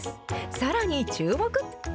さらに注目！